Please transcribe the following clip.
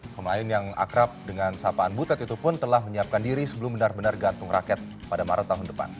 pemain yang akrab dengan sapaan butet itu pun telah menyiapkan diri sebelum benar benar gantung raket pada maret tahun depan